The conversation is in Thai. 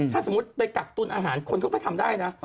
ถ้าสมมุติไปกักตุลอาหารคนเขาก็ทำได้นะ